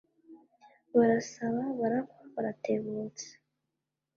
barasaba, barakwa, baratebutsa